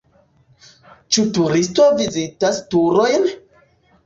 Ĉu turisto vizitas turojn?